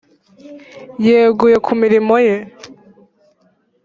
yeguye ku mirimo ye